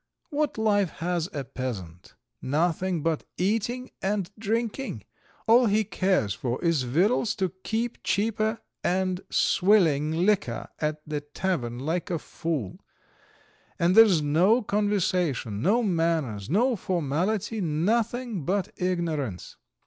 What life has a peasant? Nothing but eating and drinking; all he cares for is victuals to be cheaper and swilling liquor at the tavern like a fool; and there's no conversation, no manners, no formality, nothing but ignorance!